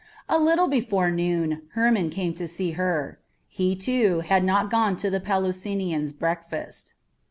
A little before noon Hermon came to see her. He, too, had not gone to the Pelusinian's breakfast.